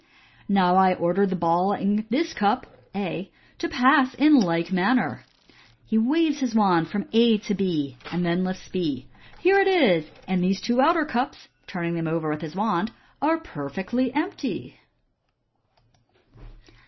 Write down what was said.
" Now I order the ball in this cup (A) to pass in like manner." He waves his wand from A to B, and then lifts B. " Here it is, and these two outer cups " (turning them over with the wand) '* are per fectly empty."